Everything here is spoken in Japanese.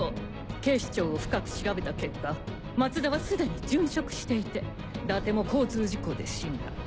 警視庁を深く調べた結果松田は既に殉職していて伊達も交通事故で死んだ。